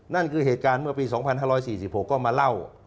นั่นคือเหตุการณ์เมื่อปี๒๕๔๖ก็มาเล่า